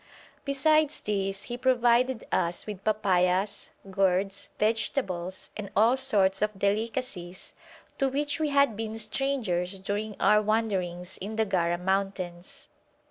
Besides these he provided us with papayas, gourds, vegetables, and all sorts of delicacies to which we had been strangers during our wanderings in the Gara mountains.